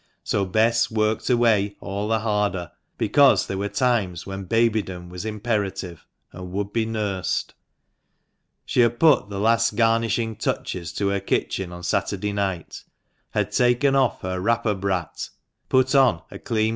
So Bess worked away all the harder, because there were times when babydom was imperative, and would be nursed. She had put the last garnishing touches to her kitchen on Saturday night, had taken off her wrapper brat,* put on a clean * A sort of close pinafore. 14 THE MANCHESTER MAN.